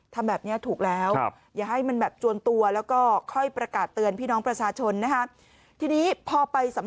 ทำแบบนี้ถูกแล้วอย่าให้มันแบบจวนตัวแล้วก็ค่อยประกาศเตือนพี่น้องประชาชนนะฮะ